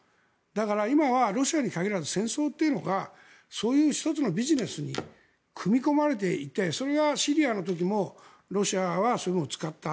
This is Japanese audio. だから今はロシアに限らず戦争というのがそういう１つのビジネスに組み込まれていてそれがシリアの時もロシアはそういうのを使った。